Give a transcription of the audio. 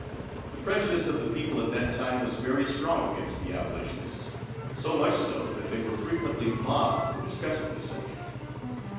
The prejudice of the people at that time was very strong against the abolitionists; so much so that they were frequently mobbed for discussing the subject.